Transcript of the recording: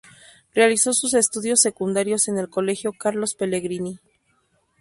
Realizó sus estudios secundarios en el Colegio Carlos Pellegrini.